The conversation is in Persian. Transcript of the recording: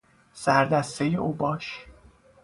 سردسته اوباش